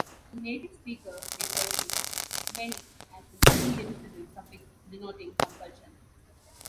The native speaker may perceive "-meli" as an indivisible suffix denoting compulsion.